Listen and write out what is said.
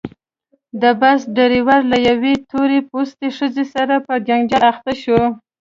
د بس ډریور له یوې تور پوستې ښځې سره په جنجال اخته شوی.